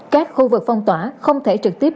các khu vực phong tỏa không thể trực tiếp